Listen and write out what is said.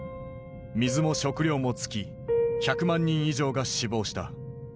水も食料も尽き１００万人以上が死亡した。